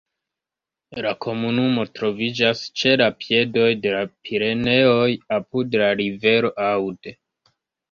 La komunumo troviĝas ĉe la piedoj de la Pireneoj apud la rivero Aude.